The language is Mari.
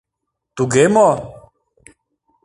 — Туге мо?!